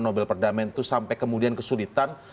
nobel perdamaian itu sampai kemudian kesulitan